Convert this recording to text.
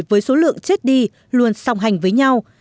với số lượng chết đi luôn song hành với nhau